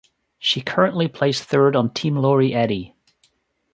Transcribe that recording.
She currently plays third on Team Lori Eddy.